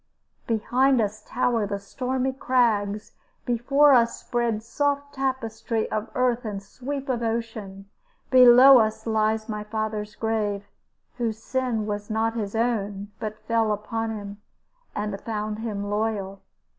Behind us tower the stormy crags, before us spread soft tapestry of earth and sweep of ocean. Below us lies my father's grave, whose sin was not his own, but fell on him, and found him loyal.